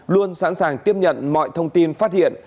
luôn sẵn sàng tiếp nhận mọi thông tin phát hiện